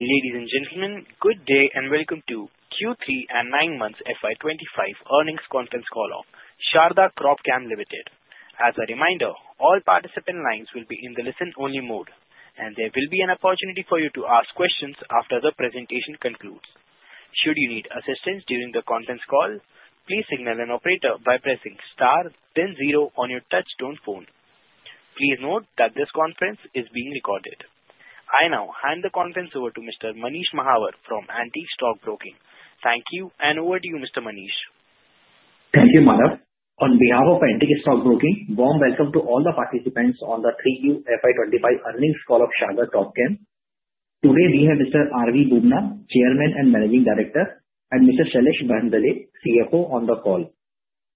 Ladies and gentlemen, good day and welcome to Q3 and 9 Months FY25 Earnings Conference Call of Sharda Cropchem Limited. As a reminder, all participant lines will be in the listen-only mode, and there will be an opportunity for you to ask questions after the presentation concludes. Should you need assistance during the conference call, please signal an operator by pressing star, then zero on your touch-tone phone. Please note that this conference is being recorded. I now hand the conference over to Mr. Manish Mahawar from Antique Stock Broking. Thank you, and over to you, Mr. Manish. Thank you, Manav. On behalf of Antique Stock Broking, warm welcome to all the participants on the 3Q FY25 Earnings Call of Sharda Cropchem. Today, we have Mr. R.V. Bubna, Chairman and Managing Director, and Mr. Shailesh Mehendale, CFO, on the call.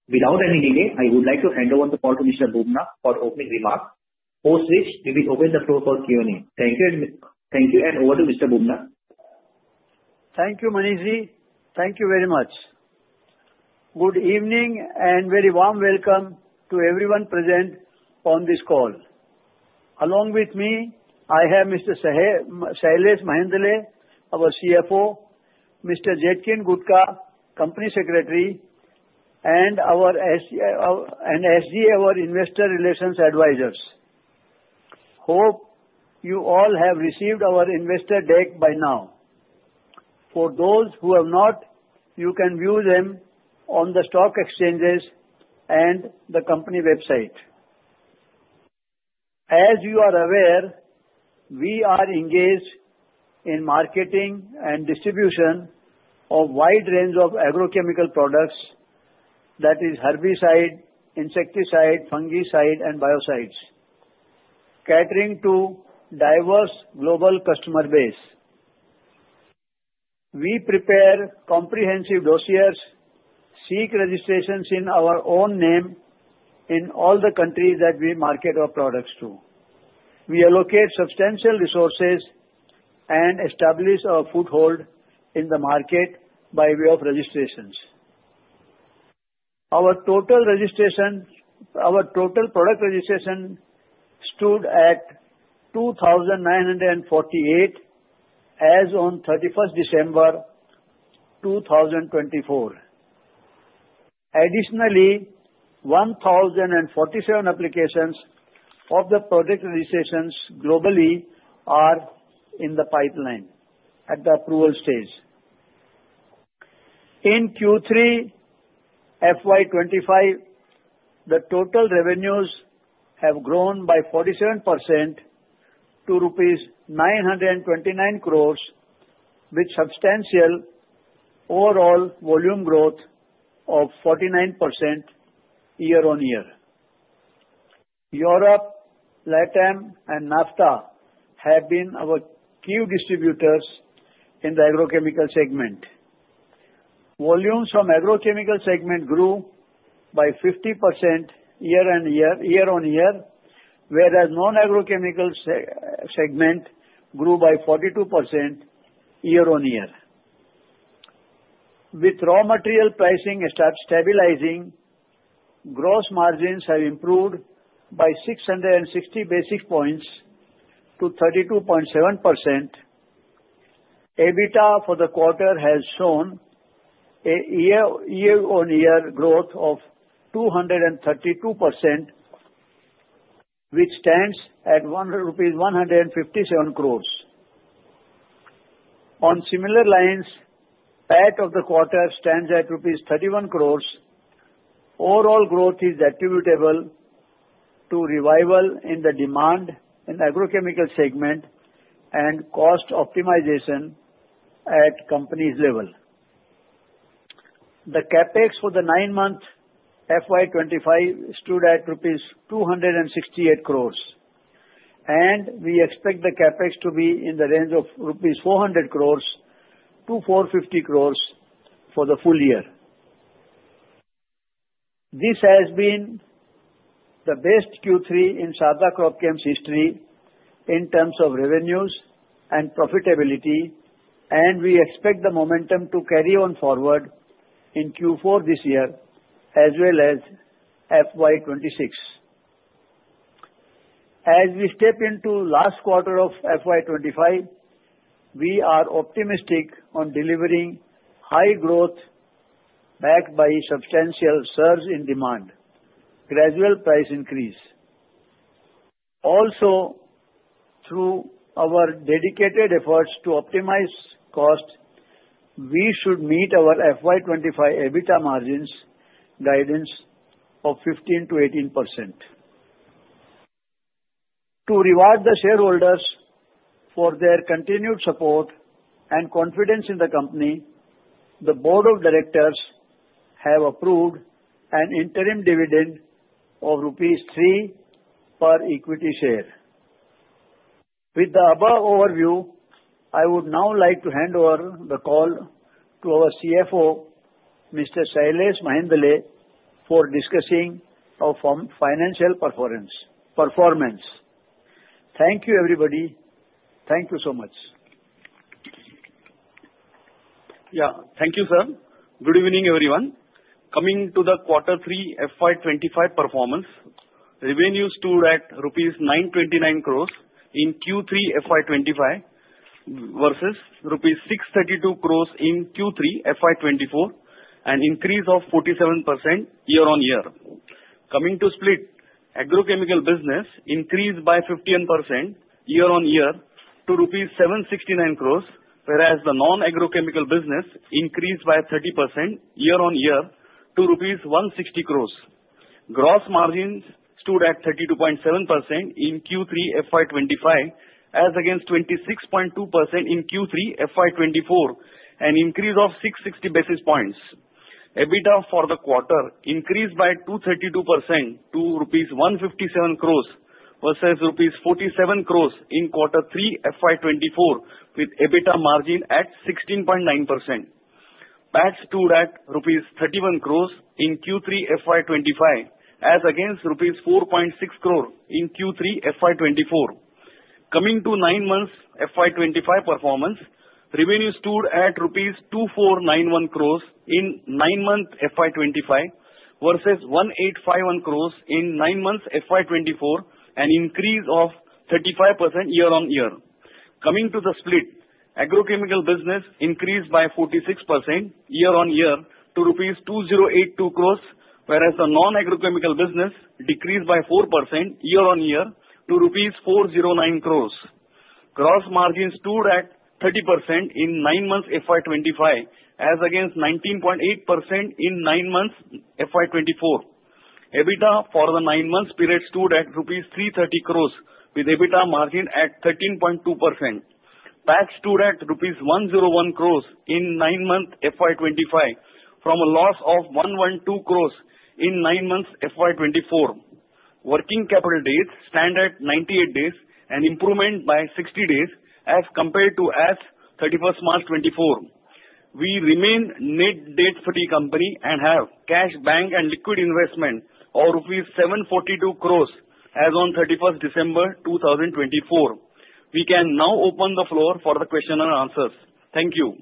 Without any delay, I would like to hand over the call to Mr. Bubna for opening remarks, post which we will open the floor for Q&A. Thank you, and over to Mr. Bubna. Thank you, Manishji. Thank you very much. Good evening and very warm welcome to everyone present on this call. Along with me, I have Mr. Shailesh Mehendale, our CFO, Mr. Jetkin Gudhka, Company Secretary, and SGA Investor Relations Advisors. Hope you all have received our investor deck by now. For those who have not, you can view them on the stock exchanges and the company website. As you are aware, we are engaged in marketing and distribution of a wide range of agrochemical products, that is, herbicide, insecticide, fungicide, and biocides, catering to a diverse global customer base. We prepare comprehensive dossiers, seek registrations in our own name in all the countries that we market our products to. We allocate substantial resources and establish our foothold in the market by way of registrations. Our total product registration stood at 2,948 as of 31st December 2024. Additionally, 1,047 applications of the product registrations globally are in the pipeline at the approval stage. In Q3 FY25, the total revenues have grown by 47% to INR 929 crores, with substantial overall volume growth of 49% year-on-year. Europe, LATAM, and NAFTA have been our key distributors in the agrochemical segment. Volumes from the agrochemical segment grew by 50% year-on-year, whereas the non-agrochemical segment grew by 42% year-on-year. With raw material pricing stabilizing, gross margins have improved by 660 basis points to 32.7%. EBITDA for the quarter has shown a year-on-year growth of 232%, which stands at 157 crores. On similar lines, PAT of the quarter stands at rupees 31 crores. Overall growth is attributable to revival in the demand in the agrochemical segment and cost optimization at the company's level. The Capex for the 9-month FY25 stood at rupees 268 crores, and we expect the Capex to be in the range of 400 crores-450 crores rupees for the full year. This has been the best Q3 in Sharda Cropchem's history in terms of revenues and profitability, and we expect the momentum to carry on forward in Q4 this year as well as FY26. As we step into the last quarter of FY25, we are optimistic on delivering high growth backed by substantial surge in demand, gradual price increase. Also, through our dedicated efforts to optimize costs, we should meet our FY25 EBITDA margins' guidance of 15%-18%. To reward the shareholders for their continued support and confidence in the company, the Board of Directors have approved an interim dividend of rupees 3 per equity share. With the above overview, I would now like to hand over the call to our CFO, Mr. Shailesh Mehendale, for discussing our financial performance. Thank you, everybody. Thank you so much. Yeah, thank you, sir. Good evening, everyone. Coming to the Q3 FY25 performance, revenues stood at rupees 929 crores in Q3 FY25 versus rupees 632 crores in Q3 FY24, an increase of 47% year-on-year. Coming to split, agrochemical business increased by 51% year-on-year to INR 769 crores, whereas the non-agrochemical business increased by 30% year-on-year to rupees 160 crores. Gross margins stood at 32.7% in Q3 FY25 as against 26.2% in Q3 FY24, an increase of 660 basis points. EBITDA for the quarter increased by 232% to rupees 157 crores versus rupees 47 crores in Q3 FY24, with EBITDA margin at 16.9%. PAT stood at rupees 31 crores in Q3 FY25 as against rupees 4.6 crores in Q3 FY24. Coming to 9-month FY25 performance, revenues stood at rupees 2491 crores in 9-month FY25 versus 1851 crores in 9-month FY24, an increase of 35% year-on-year. Coming to the split, agrochemical business increased by 46% year-on-year to rupees 2082 crores, whereas the non-agrochemical business decreased by 4% year-on-year to rupees 409 crores. Gross margins stood at 30% in 9-month FY25 as against 19.8% in 9-month FY24. EBITDA for the 9-month period stood at rupees 330 crores, with EBITDA margin at 13.2%. PAT stood at rupees 101 crores in 9-month FY25 from a loss of 112 crores in 9-month FY24. Working capital days stand at 98 days, an improvement by 60 days as compared to as of 31st March 2024. We remain net debt-free company and have cash, bank, and liquid investment of 742 crores rupees as of 31st December 2024. We can now open the floor for the question and answers. Thank you.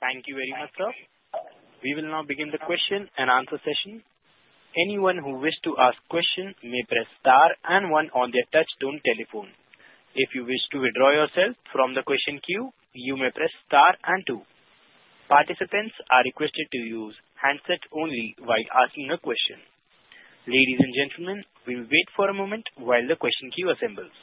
Thank you very much, sir. We will now begin the question and answer session. Anyone who wishes to ask a question may press star and one on their touch-tone telephone. If you wish to withdraw yourself from the question queue, you may press star and two. Participants are requested to use handsets only while asking a question. Ladies and gentlemen, we will wait for a moment while the question queue assembles.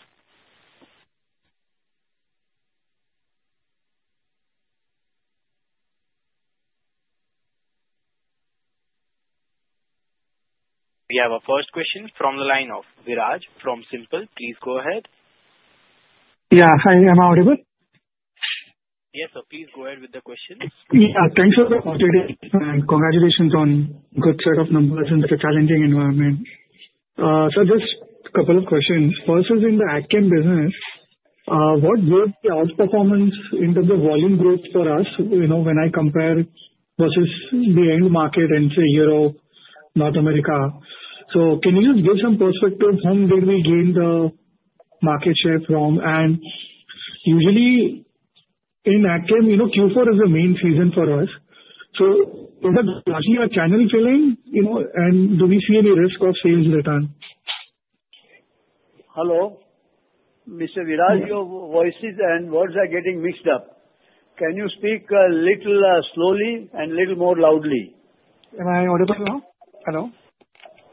We have our first question from the line of Viraj from SiMPL. Please go ahead. Yeah, hi. Am I audible? Yes, sir. Please go ahead with the question. Yeah, thanks for the opportunity. Congratulations on a good set of numbers in such a challenging environment. Sir, just a couple of questions. First is in the Agchem business, what was the outperformance in terms of volume growth for us when I compare versus the end market and say Europe, North America? So can you just give some perspective? Whom did we gain the market share from? And usually, in Agchem, Q4 is the main season for us. So is it actually a channel filling? And do we see any risk of sales return? Hello. Mr. Viraj, your voices and words are getting mixed up. Can you speak a little slowly and a little more loudly? Am I audible now? Hello?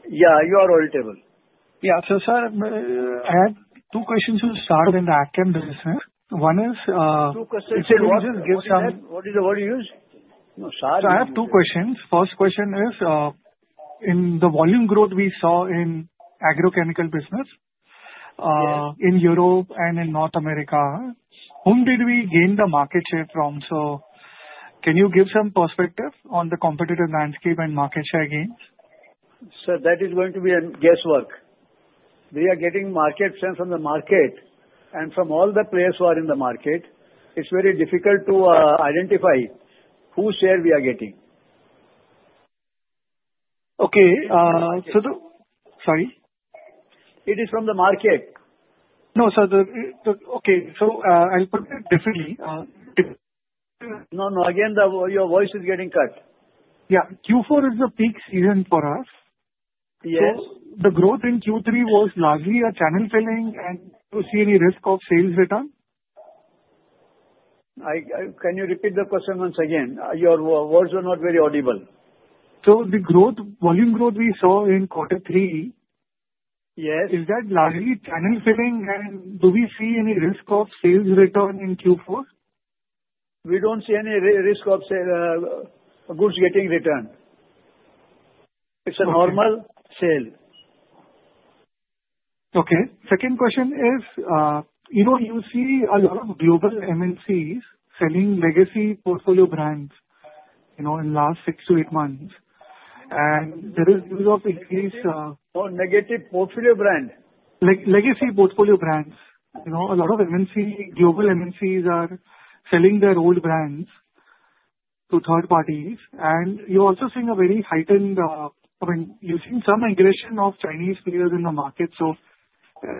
Yeah, you are audible. Yeah. So, sir, I had two questions to start in the agchem business. One is, it's a loss in sales. What did you use? So I have two questions. First question is, in the volume growth we saw in the agrochemical business in Europe and in North America, whom did we gain the market share from? So can you give some perspective on the competitive landscape and market share gains? Sir, that is going to be guesswork. We are getting market share from the market and from all the players who are in the market. It's very difficult to identify whose share we are getting. Okay. So the - sorry. It is from the market. No, sir. Okay, so I'll put it differently. No, no. Again, your voice is getting cut. Yeah. Q4 is the peak season for us. Yes. So the growth in Q3 was largely a channel filling. And do you see any risk of sales return? Can you repeat the question once again? Your words are not very audible. The volume growth we saw in Q3, is that largely channel filling? Do we see any risk of sales return in Q4? We don't see any risk of goods getting returned. It's a normal sale. Okay. Second question is, you see a lot of global MNCs selling legacy portfolio brands in the last six to eight months. And there is a risk of increase. Oh, negative portfolio brand? Legacy portfolio brands. A lot of global MNCs are selling their old brands to third parties. And you're also seeing a very heightened, I mean, you've seen some aggression of Chinese players in the market. So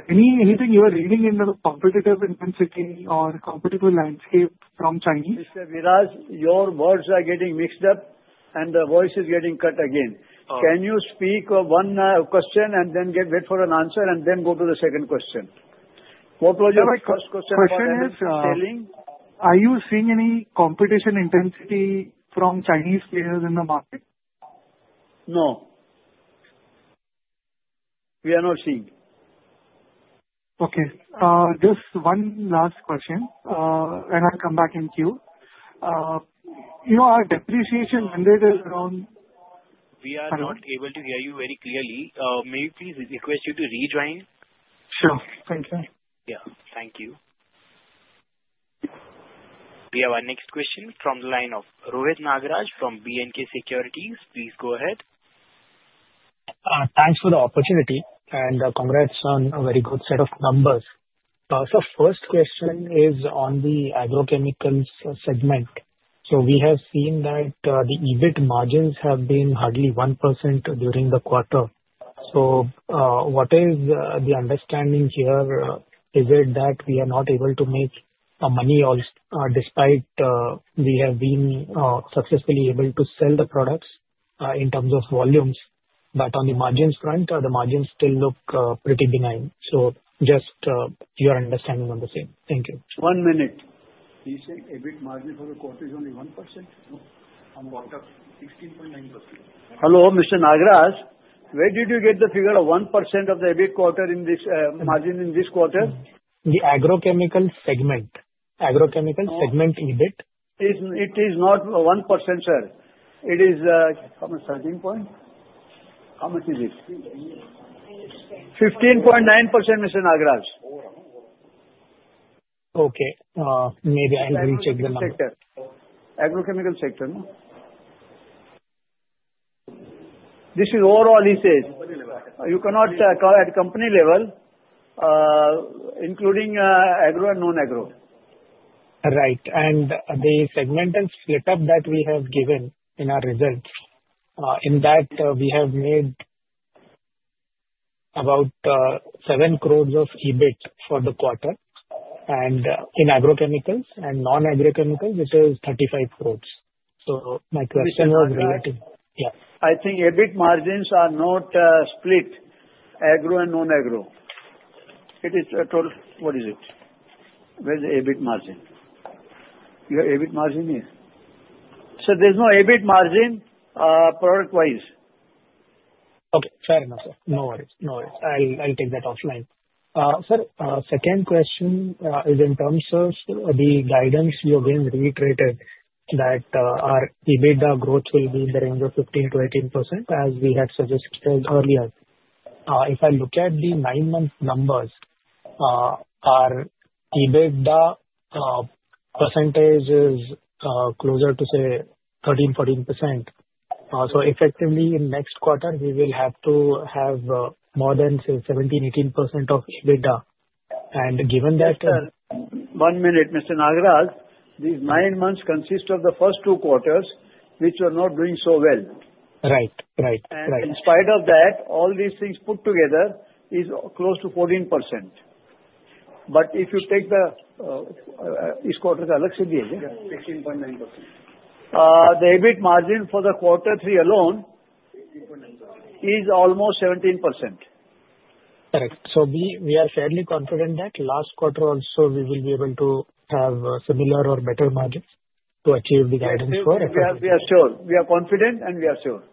anything you are reading in the competitive intensity or competitive landscape from Chinese? Mr. Viraj, your words are getting mixed up, and the voice is getting cut again. Can you speak one question and then wait for an answer, and then go to the second question? What was your first question? Question on selling. Are you seeing any competition intensity from Chinese players in the market? No. We are not seeing. Okay. Just one last question, and I'll come back in queue. Our depreciation mandate is around. We are not able to hear you very clearly. May we please request you to rejoin? Sure. Thank you. Yeah. Thank you. We have our next question from the line of Rohit Nagaraj from B&K Securities. Please go ahead. Thanks for the opportunity, and congrats on a very good set of numbers. So our first question is on the agrochemicals segment. So we have seen that the EBIT margins have been hardly 1% during the quarter. So what is the understanding here? Is it that we are not able to make money despite we have been successfully able to sell the products in terms of volumes, but on the margins front, the margins still look pretty benign? So just your understanding on the same. Thank you. One minute. He's saying EBIT margin for the quarter is only 1%. On quarter, 16.9%. Hello, Mr. Nagaraj. Where did you get the figure of 1% of the EBIT quarter in this margin in this quarter? The agrochemical segment. Agrochemical segment EBIT. It is not 1%, sir. It is how much? 13 point? How much is it? 15.9%, Mr. Nagaraj. Okay. Maybe I'll recheck the number. Agrochemical sector. Agrochemical sector. This is overall, he says. You cannot call it company level, including agro and non-agro. Right. And the segmental split-up that we have given in our results, in that we have made about 7 crores of EBIT for the quarter. And in agrochemicals and non-agrochemicals, it is 35 crores. So my question was related. I think EBIT margins are not split, agro and non-agro. It is a total—what is it? Where's the EBIT margin? Your EBIT margin is? So there's no EBIT margin product-wise. Okay. Fair enough, sir. No worries. No worries. I'll take that offline. Sir, second question is in terms of the guidance you again reiterated that our EBITDA growth will be in the range of 15%-18% as we had suggested earlier. If I look at the 9-month numbers, our EBITDA percentage is closer to, say, 13%, 14%. So effectively, in next quarter, we will have to have more than, say, 17%, 18% of EBITDA. And given that. Sir, one minute, Mr. Nagaraj. These nine months consist of the first two quarters, which were not doing so well. Right. Right. Right. In spite of that, all these things put together is close to 14%. If you take this quarter is Q4 FY24, right? Yeah, 16.9%. The EBIT margin for the Q3 alone is almost 17%. Correct. So we are fairly confident that last quarter also, we will be able to have similar or better margins to achieve the guidance for. We are sure. We are confident, and we are sure.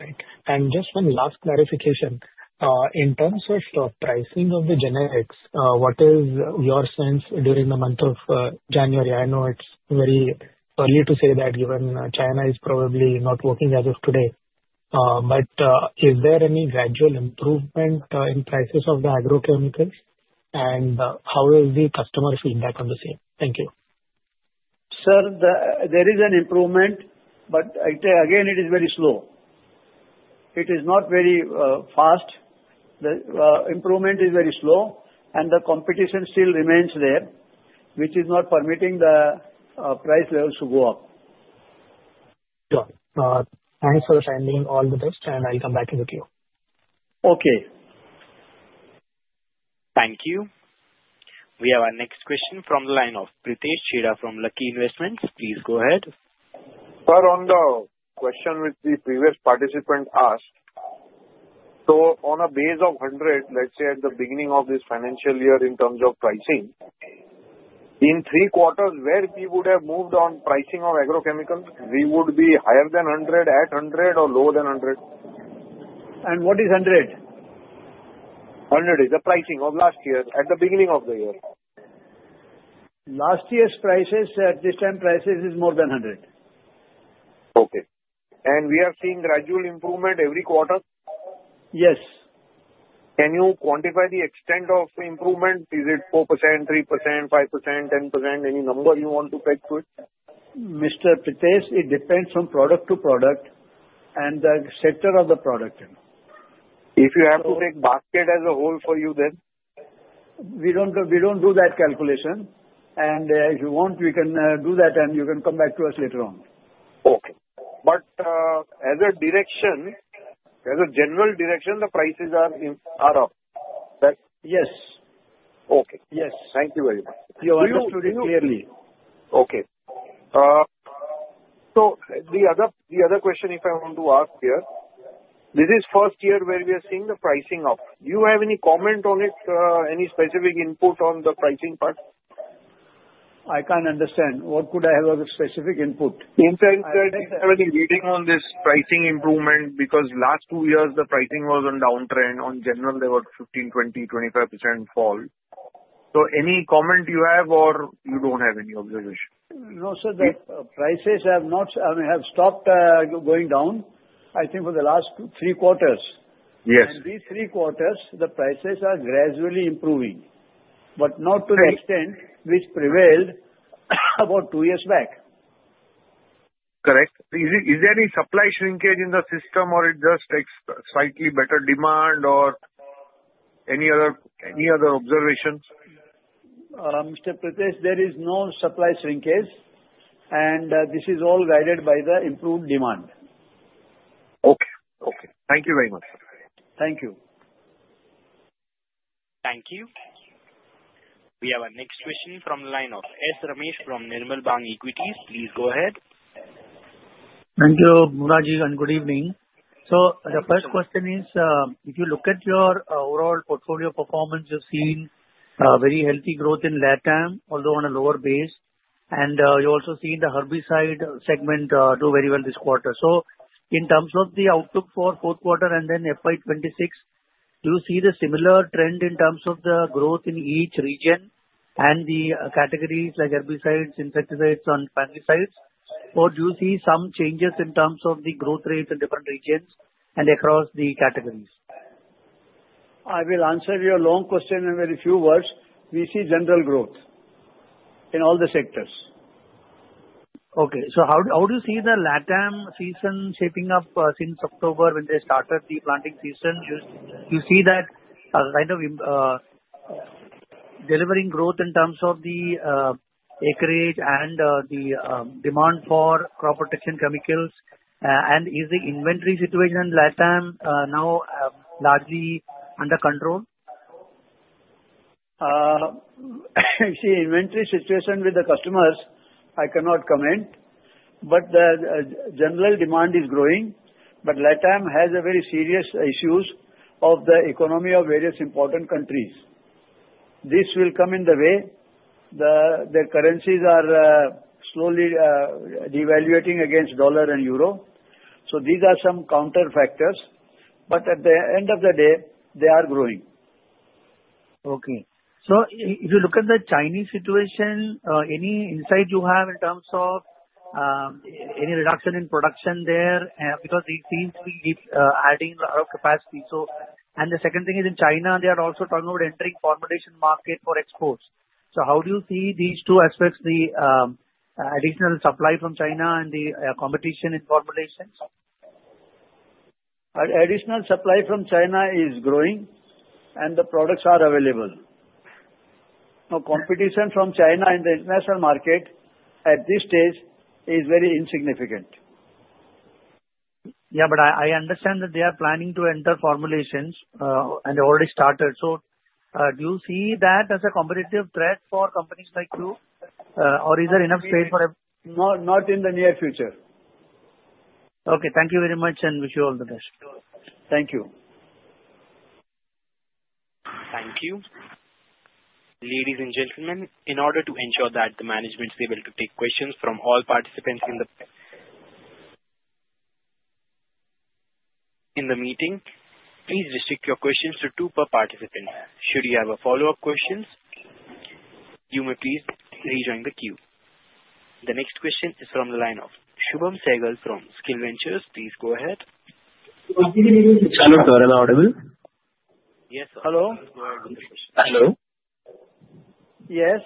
Right, and just one last clarification. In terms of pricing of the generics, what is your sense during the month of January? I know it's very early to say that given China is probably not working as of today, but is there any gradual improvement in prices of the agrochemicals? And how is the customer feedback on the same? Thank you. Sir, there is an improvement, but again, it is very slow. It is not very fast. The improvement is very slow, and the competition still remains there, which is not permitting the price levels to go up. Sure. Thanks for your time. All the best, and I'll come back in the queue. Okay. Thank you. We have our next question from the line of Pritesh Chheda from Lucky Investments. Please go ahead. Sir, on the question which the previous participant asked, so on a base of 100, let's say at the beginning of this financial year in terms of pricing, in three quarters, where we would have moved on pricing of agrochemicals, we would be higher than 100, at 100, or lower than 100? What is 100? 100 is the pricing of last year at the beginning of the year. Last year's prices at this time prices is more than 100. Okay. And we are seeing gradual improvement every quarter? Yes. Can you quantify the extent of the improvement? Is it 4%, 3%, 5%, 10%? Any number you want to peg to it? Mr. Pritesh, it depends from product to product and the sector of the product. If you have to take basket as a whole for you, then? We don't do that calculation, and if you want, we can do that, and you can come back to us later on. Okay. But as a general direction, the prices are up, right? Yes. Okay. Yes. Thank you very much. You understood it clearly. Okay. So the other question I want to ask here, this is the first year where we are seeing the pricing up. Do you have any comment on it, any specific input on the pricing part? I can't understand. What could I have a specific input? In fact, I have any reading on this pricing improvement because last two years, the pricing was on downtrend. In general, there were 15%, 20%, 25% fall. So any comment you have or you don't have any observation? No, sir. The prices have stopped going down, I think, for the last three quarters. Yes. These three quarters, the prices are gradually improving, but not to the extent which prevailed about two years back. Correct. Is there any supply shrinkage in the system, or it just takes slightly better demand, or any other observations? Mr. Pritesh, there is no supply shrinkage, and this is all guided by the improved demand. Okay. Okay. Thank you very much. Thank you. Thank you. We have our next question from the line of S. Ramesh from Nirmal Bang Equities. Please go ahead. Thank you, Manav, and good evening. So the first question is, if you look at your overall portfolio performance, you've seen very healthy growth in LATAM, although on a lower base. And you also see the herbicide segment do very well this quarter. So in terms of the outlook for fourth quarter and then FY26, do you see the similar trend in terms of the growth in each region and the categories like herbicides, insecticides, and fungicides? Or do you see some changes in terms of the growth rates in different regions and across the categories? I will answer your long question in very few words. We see general growth in all the sectors. Okay. So how do you see the LATAM season shaping up since October when they started the planting season? Do you see that kind of delivering growth in terms of the acreage and the demand for crop protection chemicals? And is the inventory situation in LATAM now largely under control? You see, inventory situation with the customers, I cannot comment. But the general demand is growing. But LATAM has very serious issues of the economy of various important countries. This will come in the way. The currencies are slowly devaluing against dollar and euro. So these are some counter factors. But at the end of the day, they are growing. Okay. So if you look at the Chinese situation, any insight you have in terms of any reduction in production there? Because it seems to be adding a lot of capacity. And the second thing is in China, they are also talking about entering formulation market for exports. So how do you see these two aspects, the additional supply from China and the competition in formulations? Additional supply from China is growing, and the products are available. Now, competition from China in the international market at this stage is very insignificant. Yeah, but I understand that they are planning to enter formulations and already started. So do you see that as a competitive threat for companies like you? Or is there enough space for? Not in the near future. Okay. Thank you very much, and wish you all the best. Thank you. Thank you. Ladies and gentlemen, in order to ensure that the management is able to take questions from all participants in the meeting, please restrict your questions to two per participant. Should you have a follow-up question, you may please rejoin the queue. The next question is from the line of Shubham Sehgal from Skill Ventures. Please go ahead. Hello, sir. Hello. Hello. Yes.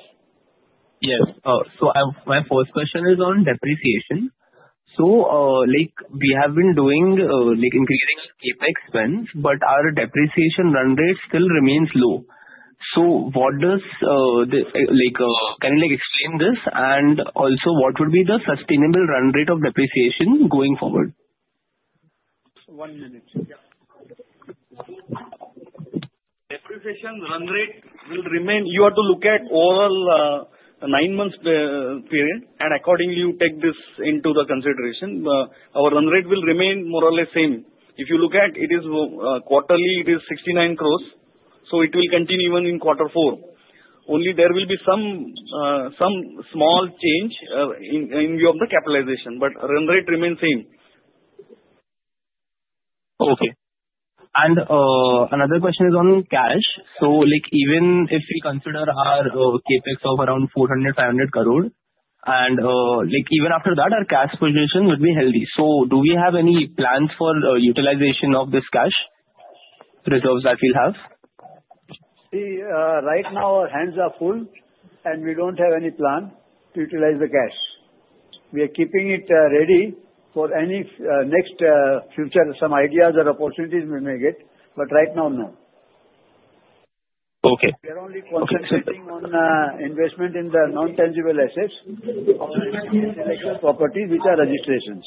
Yes. So my first question is on depreciation. So we have been doing increasing Capex spends, but our depreciation run rate still remains low. So can you explain this? And also, what would be the sustainable run rate of depreciation going forward? One minute. Depreciation run rate will remain. You have to look at overall nine-month period, and accordingly, you take this into consideration. Our run rate will remain more or less same. If you look at it, it is quarterly. It is 69 crores. So it will continue even in quarter four. Only there will be some small change in view of the capitalization, but run rate remains same. Okay. And another question is on cash. So even if we consider our Capex of around 400-500 crore, and even after that, our cash position would be healthy. So do we have any plans for utilization of this cash reserves that we'll have? Right now, our hands are full, and we don't have any plan to utilize the cash. We are keeping it ready for any next future. Some ideas or opportunities we may get, but right now, no. We are only concentrating on investment in the intangible assets, on properties which are registrations.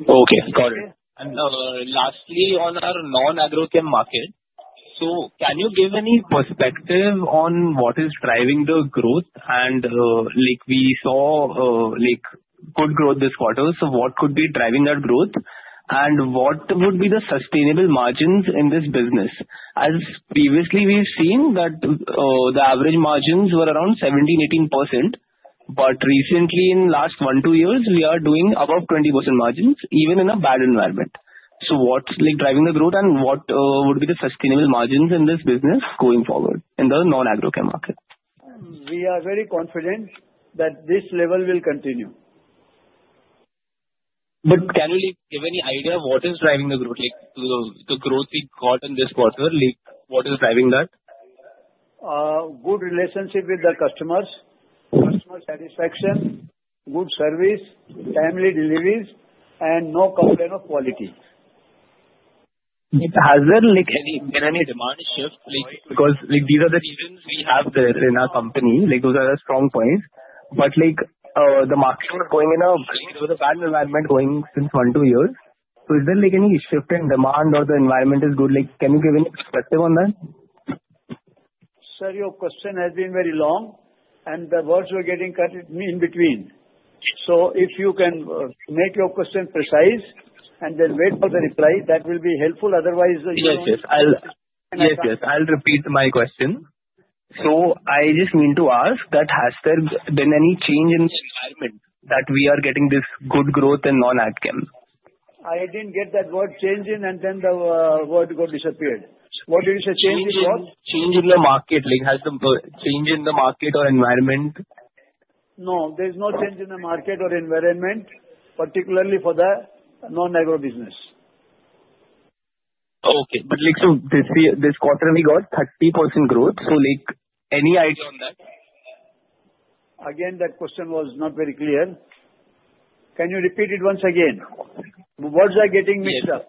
Okay. Got it. And lastly, on our non-agrochem market, so can you give any perspective on what is driving the growth? And we saw good growth this quarter. So what could be driving that growth? And what would be the sustainable margins in this business? As previously, we've seen that the average margins were around 17%, 18%. But recently, in the last one to two years, we are doing above 20% margins, even in a bad environment. So what's driving the growth, and what would be the sustainable margins in this business going forward in the non-agrochem market? We are very confident that this level will continue. But can you give any idea of what is driving the growth? The growth we got in this quarter, what is driving that? Good relationship with the customers, customer satisfaction, good service, timely deliveries, and no complaint of quality. Has there been any demand shift? Because these are the reasons we have there in our company. Those are the strong points. But the market was going in a bad environment going since one to two years. So is there any shift in demand, or the environment is good? Can you give any perspective on that? Sir, your question has been very long, and the words were getting cut in between. So if you can make your question precise and then wait for the reply, that will be helpful. Otherwise, you are fine. Yes, yes. I'll repeat my question. So I just mean to ask, has there been any change in the environment that we are getting this good growth in non-agchem? I didn't get that word change in, and then the word disappeared. What did you say? Change in what? Change in the market. Has there been a change in the market or environment? No, there is no change in the market or environment, particularly for the non-agro business. Okay. But this quarter, we got 30% growth. So any idea on that? Again, that question was not very clear. Can you repeat it once again? The words are getting mixed up.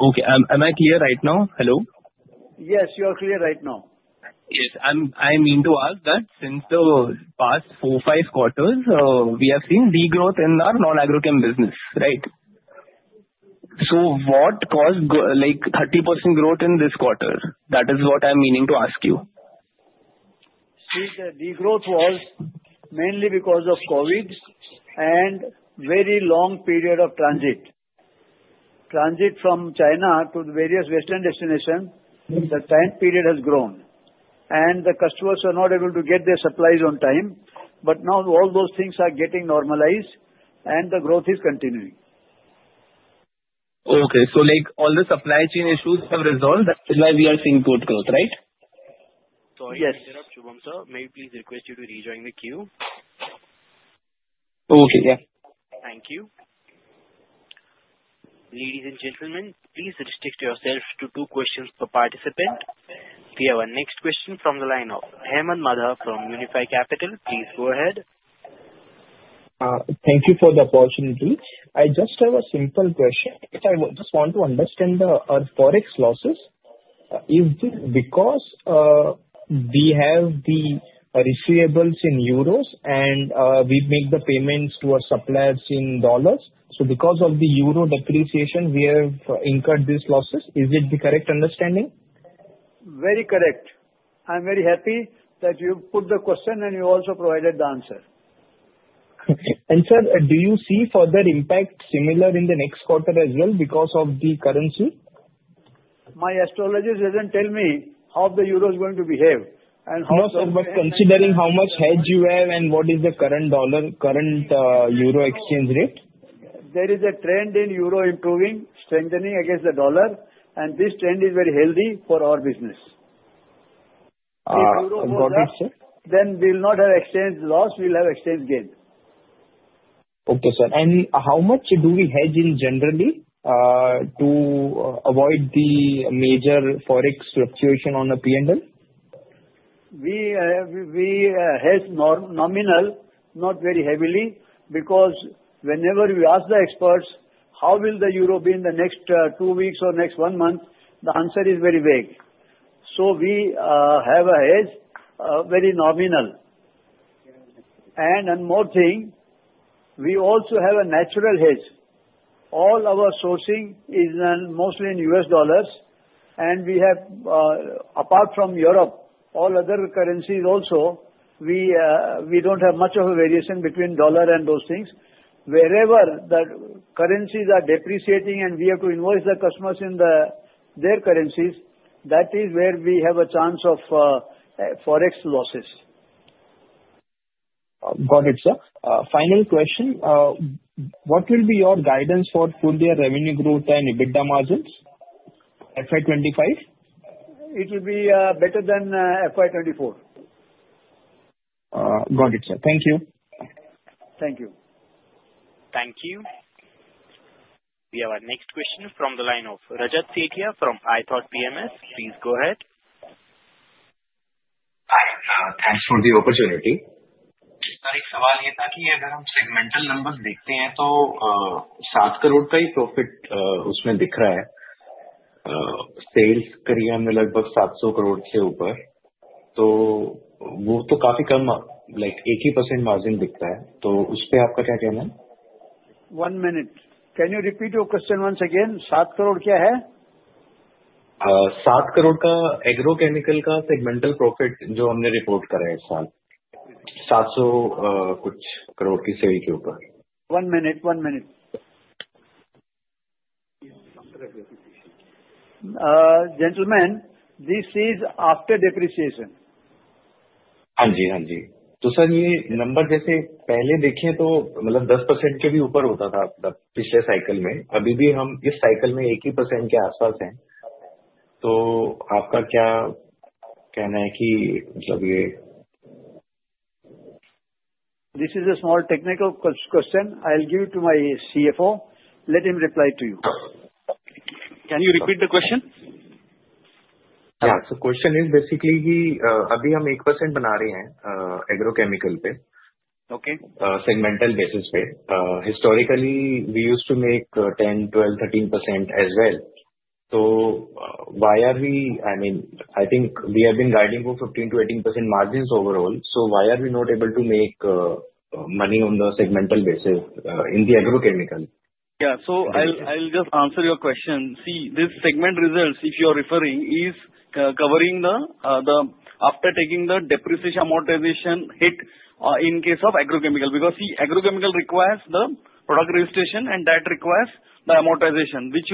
Okay. Am I clear right now? Hello? Yes, you are clear right now. Yes. I mean to ask that since the past four, five quarters, we have seen degrowth in our non-agrochem business, right? So what caused 30% growth in this quarter? That is what I'm meaning to ask you. See, the degrowth was mainly because of COVID and a very long period of transit. Transit from China to the various Western destinations, the time period has grown. And the customers were not able to get their supplies on time. But now, all those things are getting normalized, and the growth is continuing. Okay. So all the supply chain issues have resolved. That's why we are seeing good growth, right? Sorry. Yes. Shubham sir, may we please request you to rejoin the queue? Okay. Yeah. Thank you. Ladies and gentlemen, please restrict yourselves to two questions per participant. We have our next question from the line of Hemant Madhav from Unifi Capital. Please go ahead. Thank you for the opportunity. I just have a simple question. I just want to understand the Forex losses. Is it because we have the receivables in euros, and we make the payments to our suppliers in dollars? So because of the euro depreciation, we have incurred these losses. Is it the correct understanding? Very correct. I'm very happy that you put the question, and you also provided the answer. Sir, do you see further impact similar in the next quarter as well because of the currency? My astrologers didn't tell me how the euro is going to behave and how. No, but considering how much hedge you have and what is the current dollar, current euro exchange rate? There is a trend in Euro improving, strengthening against the dollar, and this trend is very healthy for our business. Got it, sir. Then we will not have exchange loss. We will have exchange gain. Okay, sir, and how much do we hedge in general to avoid the major Forex fluctuation on the P&L? We hedge nominal, not very heavily, because whenever we ask the experts, "How will the Euro be in the next two weeks or next one month?" the answer is very vague. So we have a hedge very nominal. And one more thing, we also have a natural hedge. All our sourcing is mostly in U.S. dollars, and we have, apart from Europe, all other currencies also, we don't have much of a variation between dollar and those things. Wherever the currencies are depreciating and we have to invoice the customers in their currencies, that is where we have a chance of Forex losses. Got it, sir. Final question. What will be your guidance for full year revenue growth and EBITDA margins? FY25? It will be better than FY24. Got it, sir. Thank you. Thank you. Thank you. We have our next question from the line of Rajat Sethia from iThought PMS. Please go ahead. Hi, thanks for the opportunity. Sir, a quick question. Sir, a quick question. Again, if we look at segmental numbers, we see 7 crore का ही profit उसमें दिख रहा है. Sales करीब हमने लगभग 700 crore के ऊपर. तो वो तो काफी कम, like 80% margin दिखता है. तो उस पर आपका क्या कहना है? One minute. Can you repeat your question once again? 7 crore क्या है? 7 crore का agrochemical का segmental profit जो हमने report किया है इस साल, 700 कुछ crore की sale के ऊपर. One minute, one minute. Gentlemen, this is after depreciation. Hanji, hanji. तो sir, ये number जैसे पहले देखें तो मतलब 10% के भी ऊपर होता था पिछले cycle में. अभी भी हम इस cycle में 80% के आसपास हैं. तो आपका क्या कहना है कि मतलब ये? This is a small technical question. I'll give it to my CFO. Let him reply to you. Can you repeat the question? Yeah. So question is basically कि अभी हम 1% बना रहे हैं agrochemical पे? Okay. On segmental basis. Historically, we used to make 10%, 12%, 13% as well. So why are we—I mean, I think we have been guiding for 15%-18% margins overall. So why are we not able to make money on the segmental basis in the agrochemical? Yeah. So I'll just answer your question. See, this segment results, if you are referring, is covering after taking the depreciation amortization hit in case of agrochemical. Because see, agrochemical requires the product registration, and that requires the amortization, which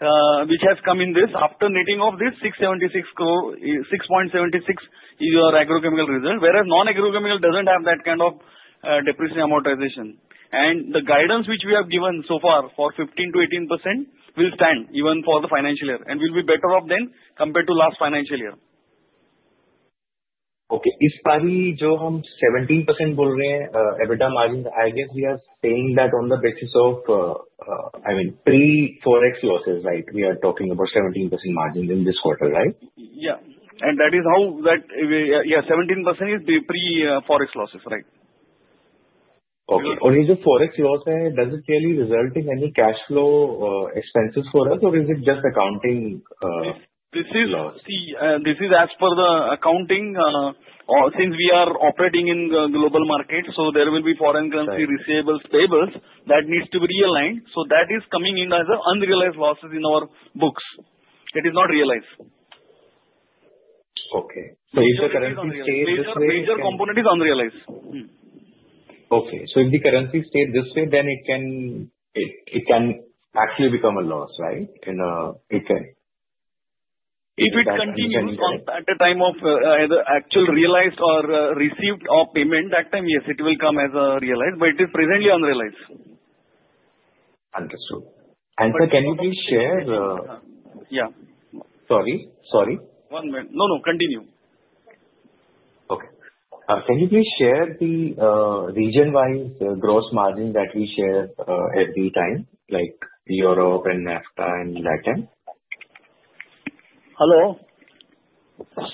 has come in. This after netting of this 6.76 crore, 6.76 is your agrochemical result. Whereas non-agrochemical doesn't have that kind of depreciation amortization. And the guidance which we have given so far for 15%-18% will stand even for the financial year and will be better off then compared to last financial year. Okay. इस बार जो हम 17% बोल रहे हैं, EBITDA margin, I guess we are saying that on the basis of, I mean, pre-Forex losses, right? We are talking about 17% margin in this quarter, right? Yeah, and that is how, yeah, 17% is pre-Forex losses, right? Okay. Okay. And if the Forex loss doesn't really result in any cash flow expenses for us, or is it just accounting loss? This is, see, as per the accounting. Since we are operating in global markets, so there will be foreign currency receivables payables that need to be realigned. So that is coming in as an unrealized loss in our books. It is not realized. Okay. So if the currency stays this way? The major component is unrealized. Okay. So if the currency stays this way, then it can actually become a loss, right? If it continues at a time of either actual realized or received or payment, that time, yes, it will come as a realized. But it is presently unrealized. Understood. And sir, can you please share? Yeah. Sorry. Sorry. One minute. No, no. Continue. Okay. Can you please share the region-wise gross margin that we share every time, like Europe and NAFTA and Latin? Hello?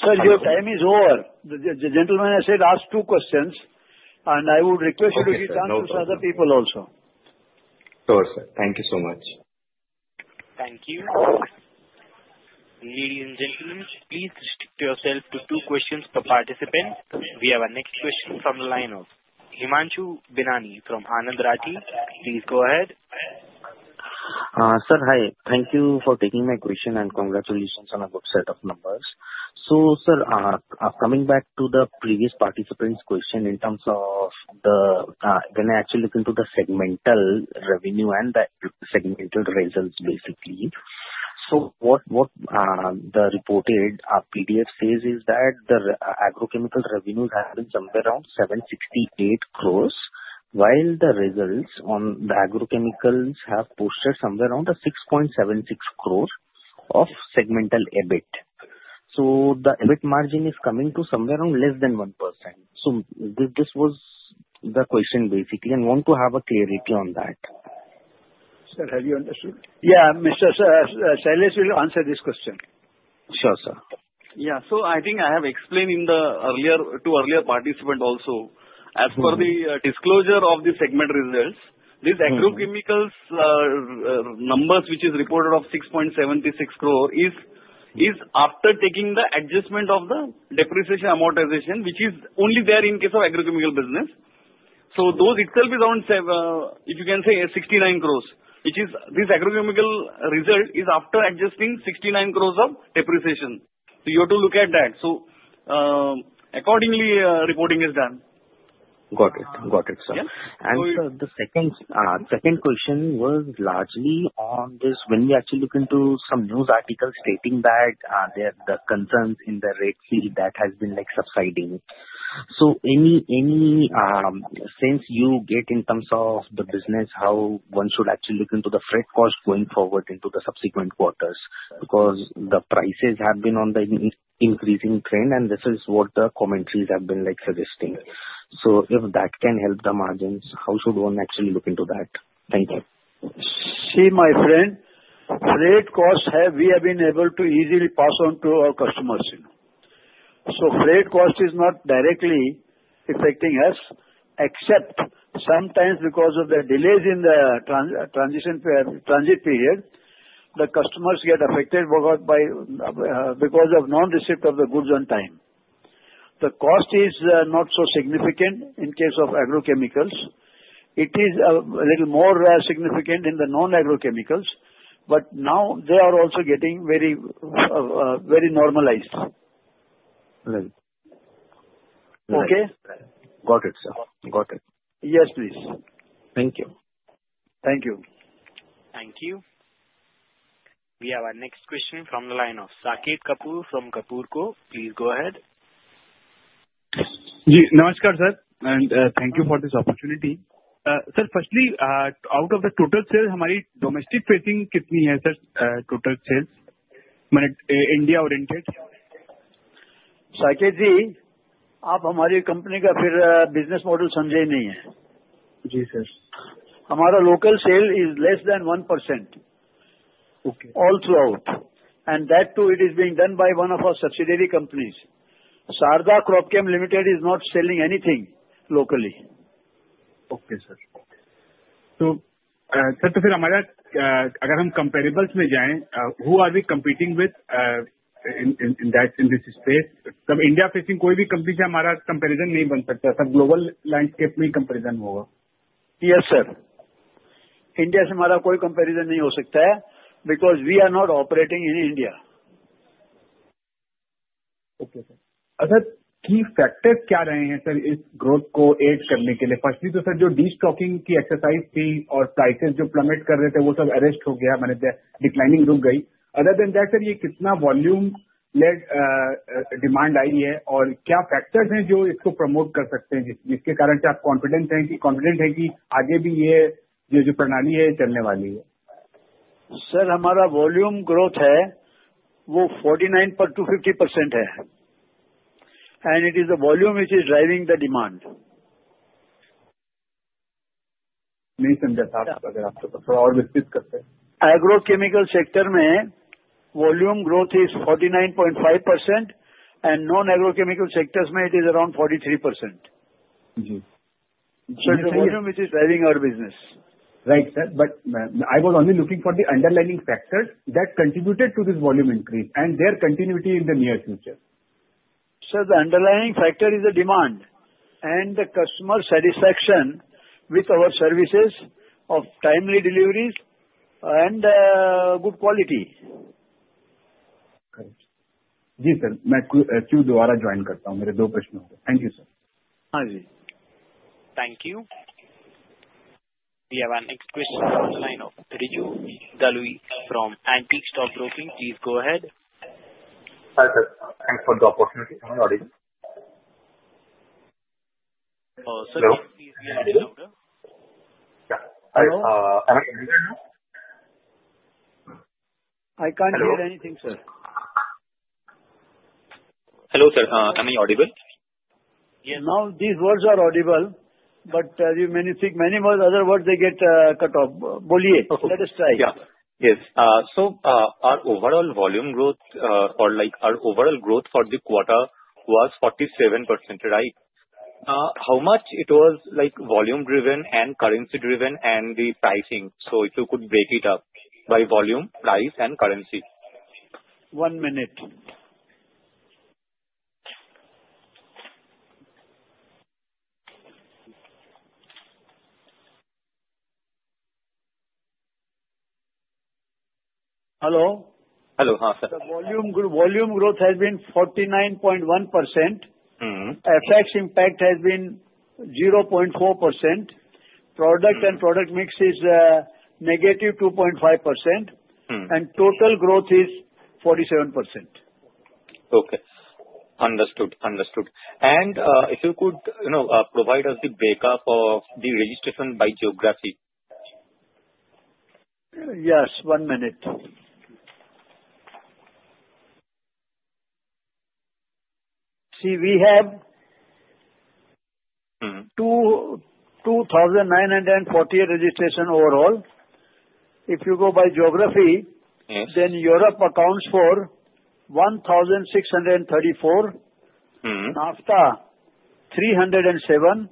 Sir, your time is over. The gentleman has said and asked two questions, and I would request you to give chance to the other people also. Sure, sir. Thank you so much. Thank you. Ladies and gentlemen, please restrict yourselves to two questions per participant. We have our next question from the line of Himanshu Binani from Anand Rathi. Please go ahead. Sir, hi. Thank you for taking my question and congratulations on a good set of numbers. So sir, coming back to the previous participant's question in terms of the, when I actually look into the segmental revenue and the segmental results, basically, so what the reported PDF says is that the agrochemical revenues have been somewhere around 768 crores, while the results on the agrochemicals have posted somewhere around 6.76 crores of segmental EBITDA. So the EBITDA margin is coming to somewhere around less than 1%. So this was the question, basically, and I want to have clarity on that. Sir, have you understood? Yeah. Mr. Shailesh will answer this question. Sure, sir. Yeah. So I think I have explained in the earlier two participants also. As per the disclosure of the segment results, this agrochemicals numbers, which is reported of 6.76 crores, is after taking the adjustment of the depreciation amortization, which is only there in case of agrochemical business. So those itself is around, if you can say, 69 crores, which is this agrochemical result is after adjusting 69 crores of depreciation. So you have to look at that. So accordingly, reporting is done. Got it. Got it, sir. And sir, the second question was largely on this when we actually look into some news articles stating that the concerns in the Red Sea that have been subsiding. So any sense you get in terms of the business, how one should actually look into the freight cost going forward into the subsequent quarters? Because the prices have been on the increasing trend, and this is what the commentaries have been suggesting. So if that can help the margins, how should one actually look into that? Thank you. See, my friend, freight costs we have been able to easily pass on to our customers. So freight cost is not directly affecting us, except sometimes because of the delays in the transit period, the customers get affected because of non-receipt of the goods on time. The cost is not so significant in case of agrochemicals. It is a little more significant in the non-agrochemicals, but now they are also getting very normalized. Okay. Got it, sir. Got it. Yes, please. Thank you. Thank you. Thank you. We have our next question from the line of Saket Kapoor from Kapoor & Co. Please go ahead. Ji, namaskar sir, and thank you for this opportunity. Sir, firstly, out of the total sales, hamari domestic facing kitni hai, sir? Total sales, matlab India oriented. Saket ji, aap hamari company ka phir business model samjhe hi nahin hai. जी, sir. Hamara local sale is less than 1%. Okay. All throughout. And that too, it is being done by one of our subsidiary companies. Sharda Cropchem Limited is not selling anything locally. Okay, sir. So sir, so then hamara agar hum comparables mein jayen, who are we competing with in that in this space? Sab India facing koi bhi company se hamara comparison nahi ban sakta. Sab global landscape mein hi comparison hoga. Yes, sir. India se hamara koi comparison nahi ho sakta hai, because we are not operating in India. Okay, sir. Achha, key factors kya rahe hain, sir, is growth ko aid karne ke liye? Firstly to, sir, jo destocking ki exercise thi aur prices jo plummet kar rahe the, wo sab arrest ho gaya, mane declining ruk gayi. Other than that, sir, ye kitna volume late demand aayi hai aur kya factors hain jo isko promote kar sakte hain, jiske karan se aap confident hain ki aage bhi ye jo pranali hai, chalne wali hai? Sir, hamara volume growth hai, woh 49 par 250% hai. And it is the volume, which is driving the demand. नहीं समझा, साहब, अगर आप थोड़ा और विस्तृत करते हैं. Agrochemical sector mein volume growth is 49.5% and non-agrochemical sectors mein it is around 43%. Ji. So it's the volume, which is driving our business. Right, sir, but I was only looking for the underlying factors that contributed to this volume increase and their continuity in the near future. Sir, the underlying factor is the demand and the customer satisfaction with our services of timely deliveries and good quality. Correct. Ji, sir, main queue dwara join karta hun. Mere do prashn ho gaye. Thank you, sir. हां जी. Thank you. We have our next question from the line of Riju Dalui from Antique Stock Broking. Please go ahead. Hi, sir. Thanks for the opportunity. Sir, please be audible. I can't hear anything, sir. Hello, sir. Am I audible? Yes, now these words are audible, but you may see many more other words, they get cut off. Please, let us try. Yeah, yes. So, our overall volume growth and like our overall growth for the quarter was 47%, right? How much it was like volume driven and currency driven and the pricing? So, if you could break it up by volume, price and currency. One minute. Hello. Hello, yes, sir. The volume growth has been 49.1%. FX impact has been 0.4%. Product and product mix is negative 2.5%. And total growth is 47%. Okay, understood, understood. And if you could, you know, provide us the breakup of the registration by geography. Yes, one minute. See, we have 2948 registrations overall. If you go by geography, then Europe accounts for 1634, NAFTA 307,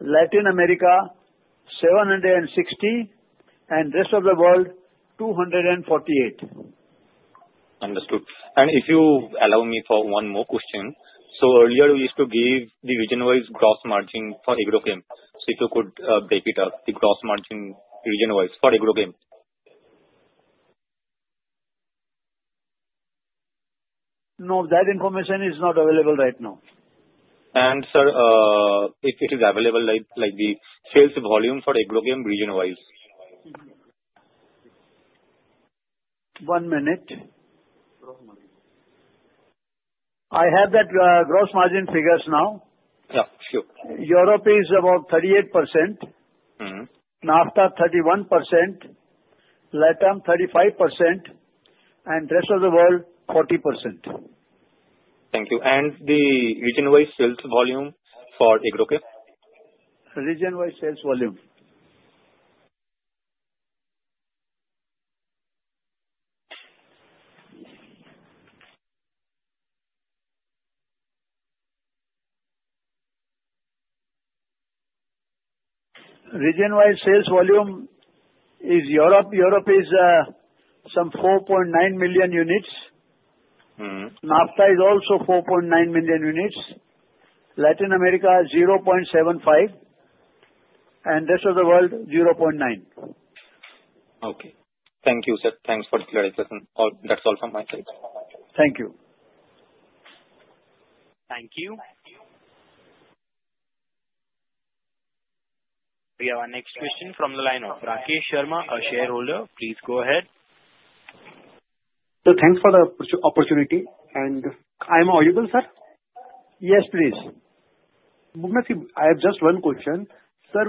Latin America 760, and rest of the world 248. Understood. And if you allow me for one more question, so earlier you used to give the region wise gross margin for agrochem. So, if you could break it up, the gross margin region wise for agrochem. No, that information is not available right now. And, sir, if it is available, like the sales volume for agrochem region wise. One minute. I have that gross margin figures now. Yeah, sir. Europe is about 38%, NAFTA 31%, LATAM 35%, and rest of the world 40%. Thank you. And the region-wise sales volume for agrochem. Region wise sales volume. Region wise sales volume is Europe. Europe is some 4.9 million units. NAFTA is also 4.9 million units. Latin America 0.75, and rest of the world 0.9. Okay, thank you, sir. Thanks for the clarification. And that's all from my side. Thank you. Thank you. We have our next question from the line of Rakesh Sharma, a shareholder. Please go ahead. Sir, thanks for the opportunity, and I am audible, sir? Yes, please. Bubna Ji, I have just one question. Sir,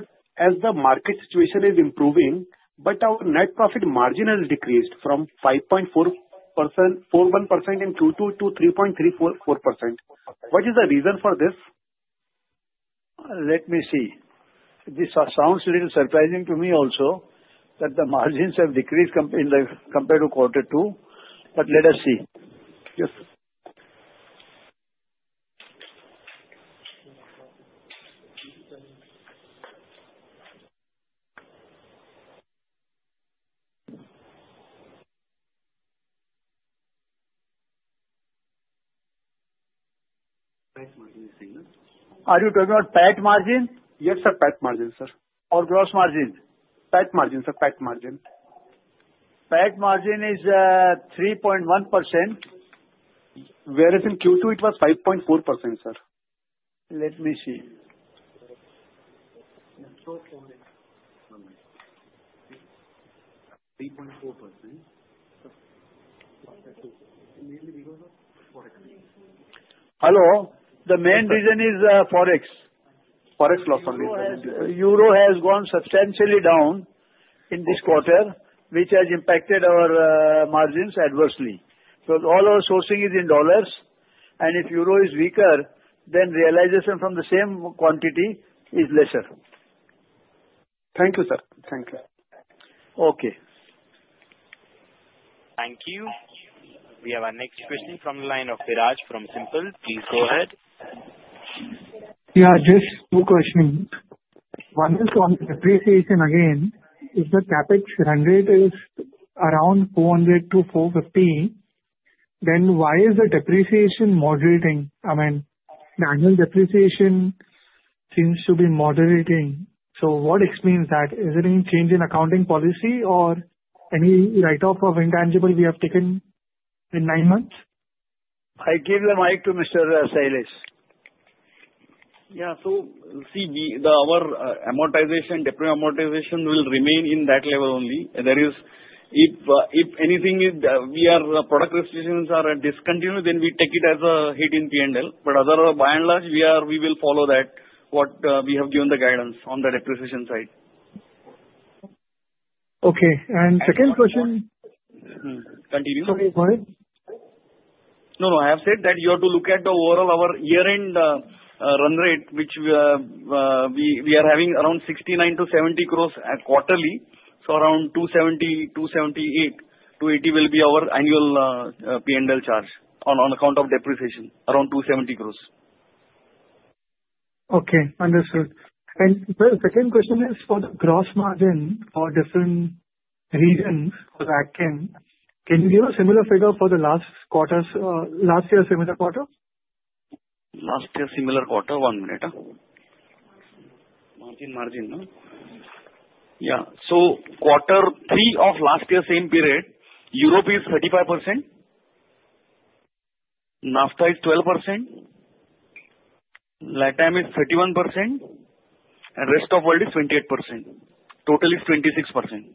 as the market situation is improving but our net profit margin has decreased from 5.41% in Q2 to 3.34%. What is the reason for this? Let me see. This sounds little surprising to me also, that the margins have decreased compared to quarter two. But let us see. PAT margin, single. Are you talking about PAT margin? Yes, sir. PAT margin, sir. And gross margin? PAT margin, sir. PAT margin. PAT margin is 3.1%. Whereas in Q2, it was 5.4%, sir. Let me see. Hello. The main reason is forex. Forex loss only. Euro has gone substantially down in this quarter, which has impacted our margins adversely. Because all our sourcing is in dollars, and if euro is weaker, then realization from the same quantity is lesser. Thank you, sir. Thank you. Okay. Thank you. We have our next question from the line of Viraj from SiMPL. Please go ahead. Yeah, just two questions. One is on depreciation. Again, if the CapEx run rate is around 400-450, then why is the depreciation moderating? I mean, the annual depreciation seems to be moderating. So, what explains that? Is it any change in accounting policy and any write-off of intangible we have taken in nine months? I give the mic to Mr. Shailesh. Yeah, so our amortization, depreciation amortization will remain in that level only. There is, if anything is, our product registrations are discontinued, then we take it as a hit in P&L. But by and large, we are, we will follow that what we have given the guidance on the depreciation side. Okay. And second question. Continue. Sorry, sorry. No, no. I have said that you have to look at the overall, our year-end run rate, which we are having around 69-70 crores quarterly. So, around 270, 278, 280 will be our annual P&L charge on account of depreciation, around 270 crores. Okay, understood. And sir, second question is for the gross margin for different region. Can you give a similar figure for the last quarter? Last year, similar quarter? Last year, similar quarter. One minute. Margin, margin. Yeah, so quarter three of last year, same period, Europe is 35%, NAFTA is 12%, LATAM is 31%, and rest of world is 28%. Total is 26%.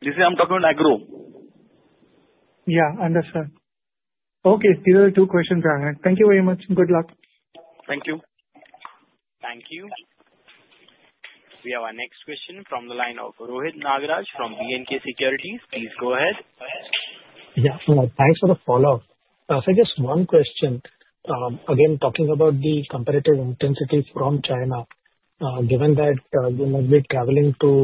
This is I am talking about agro. Yeah, understood. Okay, see the two questions. Thank you very much. Good luck. Thank you. Thank you. We have our next question from the line of Rohit Nagaraj from B&K Securities. Please go ahead. thanks for the follow up. Sir, just one question. Again, talking about the competitive intensity from China, given that we must be traveling to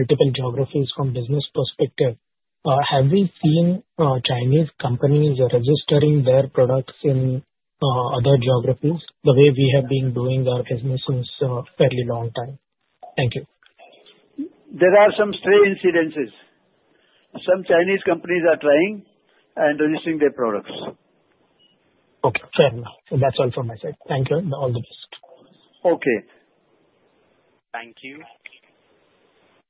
multiple geographies from business perspective, have we seen Chinese companies registering their products in other geographies, the way we have been doing our business for a fairly long time? Thank you. There are some stray incidents. Some Chinese companies are trying and registering their products. Okay, sir. That's all from my side. Thank you. All the best. Okay. Thank you.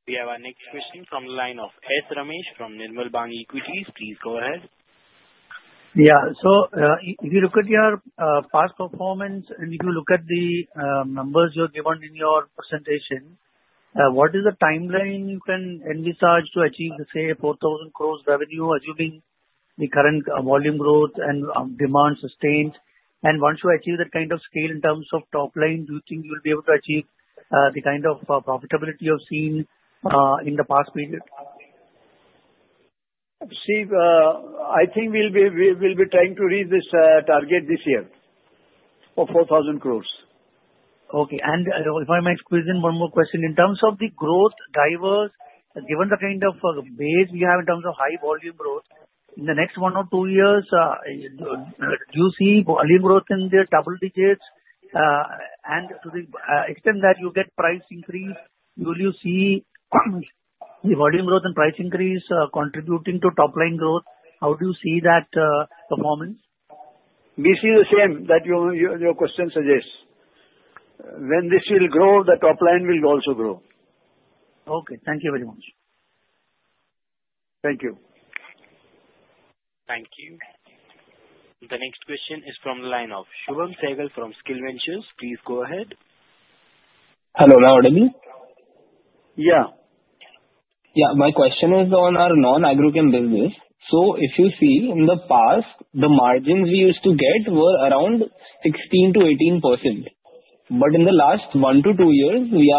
We have our next question from the line of S. Ramesh from Nirmal Bang Equities. Please go ahead. So, if you look at your past performance and if you look at the numbers you are given in your presentation, what is the timeline you can envisage to achieve, let's say, 4,000 crores revenue, assuming the current volume growth and demand sustain? And once you achieve that kind of scale in terms of top line, do you think you will be able to achieve the kind of profitability you have seen in the past period? See, I think we will be trying to reach this target this year for 4,000 crores. Okay, and if I may, one more question. In terms of the growth drivers, given the kind of base we have in terms of high volume growth, in the next one or two years, do you see volume growth in the double digits? And to the extent that you get price increases, will you see the volume growth and price increases contributing to top line growth? How do you see that performance? We see the same that your question suggests. When this will grow, the top line will also grow. Okay, thank you very much. Thank you. Thank you. The next question is from the line of Shubham Sehgal from Skill Ventures. Please go ahead. Hello, राउडली। Yeah, yeah. My question is on our non-agrochem business. So, if you see in the past, the margins we used to get were around 16%-18%. But in the last one to two years, we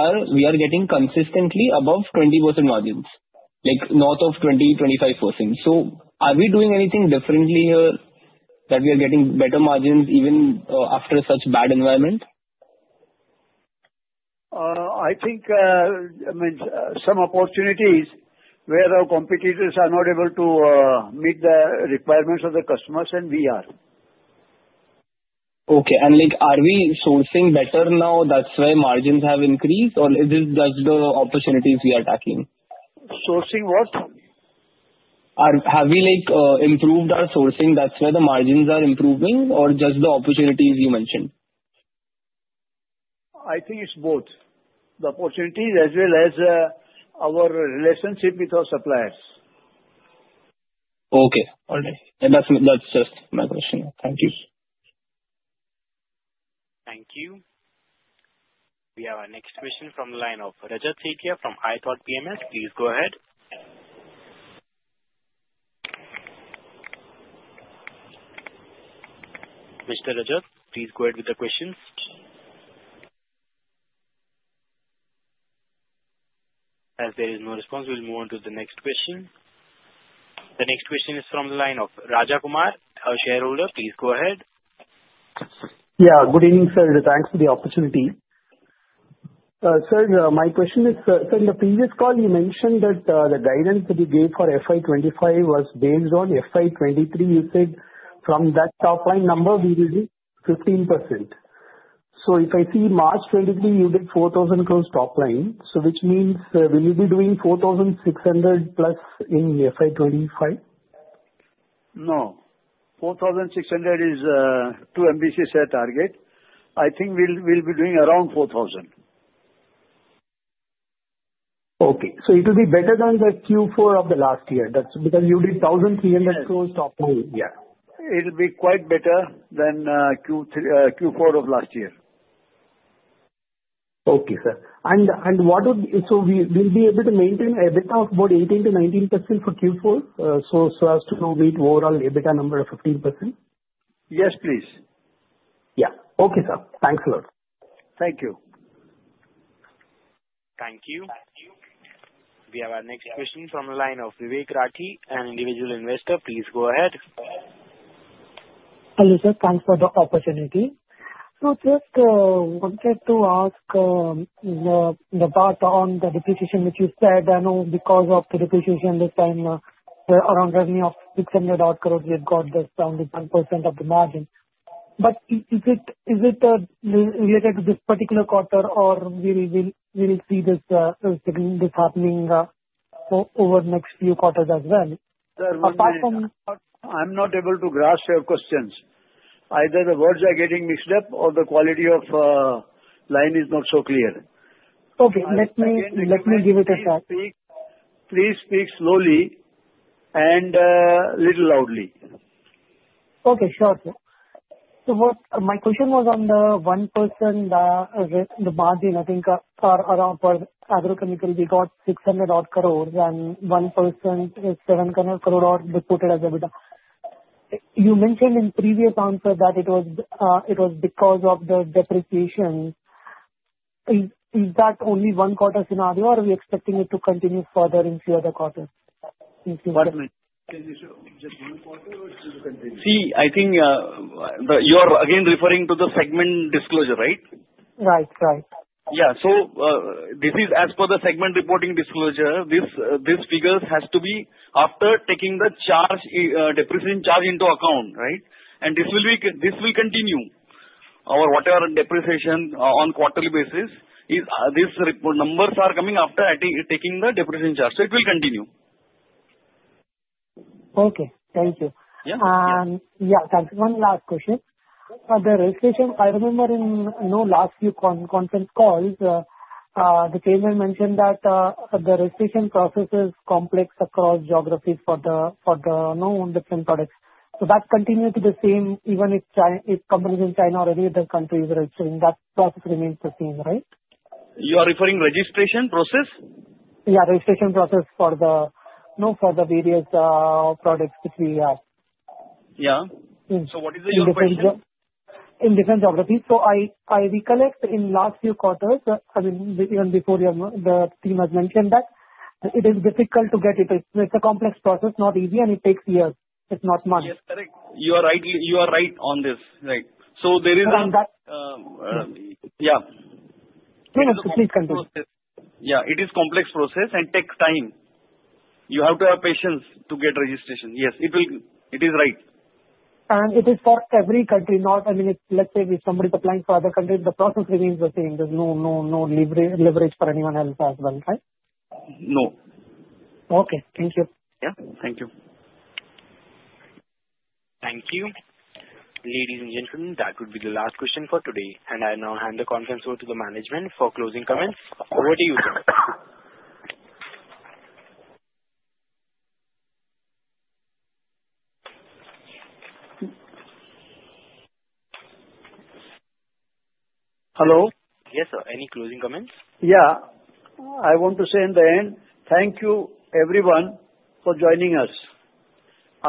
are getting consistently above 20% margins, like north of 20%, 25%. So, are we doing anything differently here, that we are getting better margins even after such bad environment? I think, I mean, some opportunities where our competitors are not able to meet the requirements of the customers, and we are. Okay, and like, are we sourcing better now? That's why margins have increased, and is it just the opportunities we are taking? Sourcing what? Have we like improved our sourcing? That's why the margins are improving, and just the opportunities you mention? I think it's both. The opportunities as well as our relationship with our suppliers. Okay, alright. That's just my question. Thank you. Thank you. We have our next question from the line of Rajat Sethia from iThought PMS. Please go ahead. Mister Rajat, please go ahead with the questions. As there is no response, we will move on to the next question. The next question is from the line of Rajakumar, a shareholder. Please go ahead. Yeah, good evening, sir. Thanks for the opportunity. Sir, my question is, sir, in the previous call, you mentioned that the guidance that you gave for FY25 was based on FY23. You said, from that top line number, we will be 15%. So, if I see March 23, you did 4,000 crores top line. So, which means, will you be doing 4,600 plus in FY25? No, 4600 is the EBITDA target. I think we will be doing around 4000. Okay, so it will be better than the Q4 of the last year. That's because you did 1,300 crores top line. Yeah, it will be quite better than Q4 of last year. Okay, sir. And what would, so we will be able to maintain EBITDA of about 18%-19% for Q4? So, as to meet overall EBITDA number of 15%? Yes, please. Ya, okay, sir. Thanks a lot. Thank you. Thank you. We have our next question from the line of Vivek Rathi and individual investor. Please go ahead. Hello, sir. Thanks for the opportunity. So, just wanted to ask that on the depreciation, which you said, I know, because of the depreciation, this time, around revenue of 600 crores, we have got this around 1% of the margin. But, is it related to this particular quarter, and we will see this happening over next few quarters as well? I am not able to grasp your questions. Either the words are getting mixed up, or the quality of the line is not so clear. Okay, let me, let me give it a shot. Please speak slowly and little loudly. Okay, sure. So, what my question was on the 1%, the margin, I think, around 4% for agrochemical, we got 600 crores, and 1% 700 crores depicted as EBITDA. You mention in previous answer that it was, it was because of the depreciation. Is that only one quarter scenario, and are we expecting it to continue further in few other quarters? What I mean? Just one quarter, and continue? See, I think you are again referring to the segment disclosure, right? Right, right. Yeah, so, this is as per the segment reporting disclosure. This, this figures has to be after taking the charge, depreciation charge into account, right? And this will be, this will continue. Our whatever depreciation on quarterly basis, is this numbers are coming after taking the depreciation charge. So, it will continue. Okay, thank you. Yeah, thanks. Yeah, thanks. One last question. The registration, I remember, in the last few conference calls, the Chairman mentioned that the registration process is complex across geographies for the, for the different products. So, that continues to be the same, even if, if companies in China and any other countries, that process remains the same, right? You are referring registration process? Yeah, registration process for the, no, for the various products, which we have. Yeah, so, what is the geography? In different geographies. So, I recollect in last few quarters, I mean, even before your, the team has mentioned that it is difficult to get it. It's a complex process, not easy, and it takes years. It's not month. Yes, correct. You are right, you are right on this, right? So, there is a, yeah. Please continue. Yeah, it is complex process, and takes time. You have to have patience to get registration. Yes, it will, it is right. And it is for every country, not, I mean, it's, let's say, if somebody is applying for other country, the process remains the same. There is no, no, no leverage for anyone else as well, right? No. Okay, thank you. Ya, thank you. Thank you, ladies and gentlemen. That would be the last question for today. And I will now hand the conference over to the management for closing comments. Over to you, sir. Hello. Yes, sir. Any closing comments? Yeah, I want to say in the end, thank you everyone for joining us.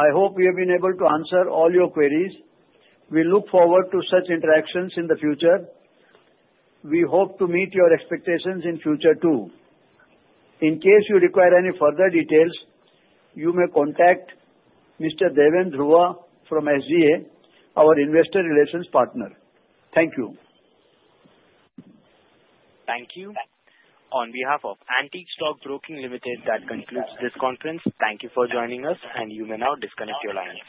I hope we have been able to answer all your queries. We look forward to such interactions in the future. We hope to meet your expectations in future too. In case you require any further details, you may contact Mr. Deven Dhruva from SGA, our investor relations partner. Thank you. Thank you. On behalf of Antique Stock Broking Limited, that concludes this conference. Thank you for joining us, and you may now disconnect your lines.